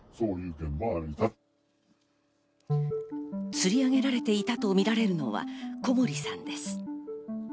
吊り上げられていたとみられるのは小森さんです。